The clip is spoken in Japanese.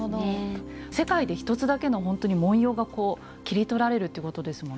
世界で一つだけのほんとに文様がこう切り取られるということですもんね。